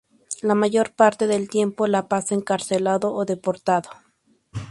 La mayor parte del tiempo la pasó encarcelado o deportado.